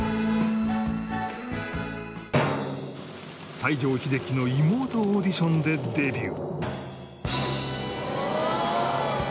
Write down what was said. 西城秀樹の妹オーディションでデビュー